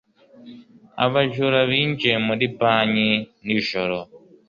Abajura binjiye muri banki nijoro